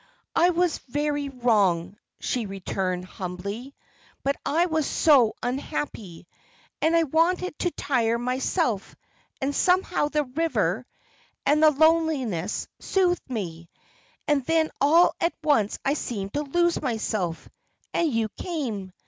"I was very wrong," she returned, humbly, "but I was so unhappy, and I wanted to tire myself; and somehow the river, and the loneliness, soothed me. And then all at once I seemed to lose myself, and you came.